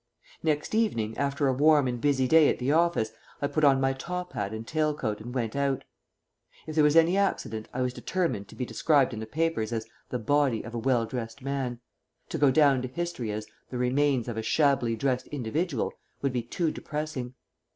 Next evening, after a warm and busy day at the office, I put on my top hat and tail coat and went out. If there was any accident I was determined to be described in the papers as "the body of a well dressed man"; to go down to history as "the remains of a shabbily dressed individual" would be too depressing.